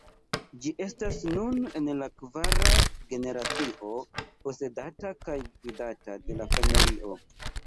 Ĝi estas nun en la kvara generacio posedata kaj gvidata de la familio.